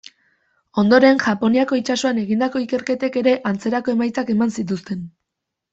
Ondoren Japoniako itsasoan egindako ikerketek ere antzerako emaitzak eman zituzten.